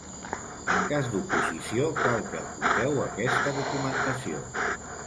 En cas d'oposició cal que aporteu aquesta documentació.